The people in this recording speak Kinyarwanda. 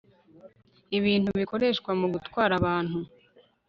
ibintu bikoreshwa mu gutwara abantu